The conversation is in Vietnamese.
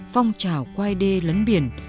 phong trào quai đê lấn biển